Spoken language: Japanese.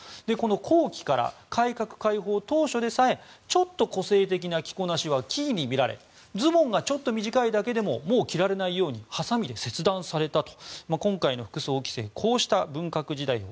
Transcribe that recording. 後期から改革開放当初でさえちょっと個性的な着こなしは奇異に見られズボンがちょっと短いだけでももう着られないようにハサミで切断されたと。